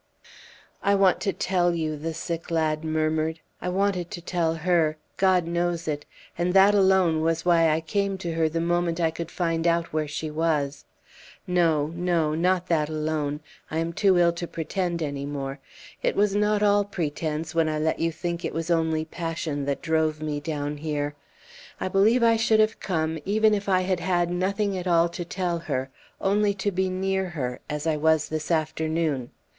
"I want to tell you," the sick lad murmured. "I wanted to tell her God knows it and that alone was why I came to her the moment I could find out where she was. No no not that alone! I am too ill to pretend any more. It was not all pretence when I let you think it was only passion that drove me down here. I believe I should have come, even if I had had nothing at all to tell her only to be near her as I was this afternoon!